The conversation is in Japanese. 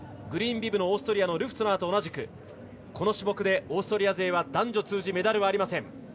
グリーンビブのオーストリアのルフトゥナーと同じくこの種目でオーストリア勢は男女通じてメダルがありません。